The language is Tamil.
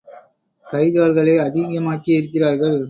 கை கால்களை அதிகமாக்கியிருக்கிறார்கள்.